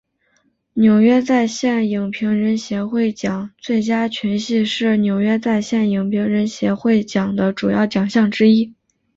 纽约在线影评人协会奖最佳群戏是纽约在线影评人协会奖的主要奖项之一。